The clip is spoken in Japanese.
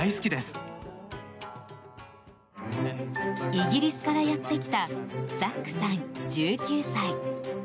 イギリスからやってきたザックさん、１９歳。